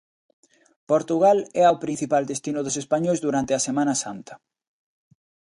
Portugal é o principal destino dos españois durante a Semana Santa.